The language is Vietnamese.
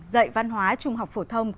dạy văn hóa trung học phổ thông